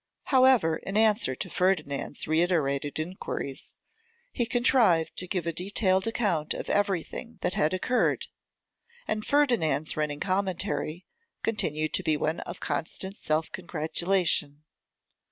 However, in answer to Ferdinand's reiterated enquiries, he contrived to give a detailed account of everything that had occurred, and Ferdinand's running commentary continued to be one of constant self congratulation.